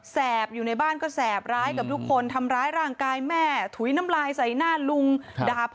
แบอยู่ในบ้านก็แสบร้ายกับทุกคนทำร้ายร่างกายแม่ถุยน้ำลายใส่หน้าลุงดาบพ่อ